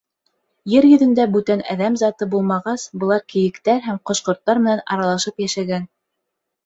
Ер йөҙөндә бүтән әҙәм заты булмағас, былар кейектәр һәм ҡош-ҡорттар менән аралашып йәшәгән.